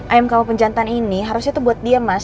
ayam kamu penjantan ini harusnya tuh buat dia mas